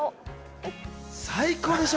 最高でしょ？